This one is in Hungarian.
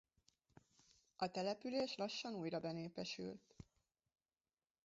A település lassan újra benépesült.